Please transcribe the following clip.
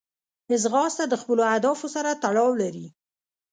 ځغاسته د خپلو اهدافو سره تړاو لري